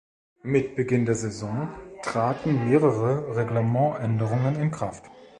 Mit Beginn der Saison traten mehrere Reglement-Änderungen in Kraft.